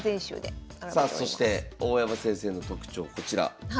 さあそして大山先生の特徴こちら。